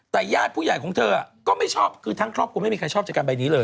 แต่ญาติผู้ใหญ่ของเธอก็ไม่ชอบคือทั้งครอบครัวไม่มีใครชอบจัดการใบนี้เลย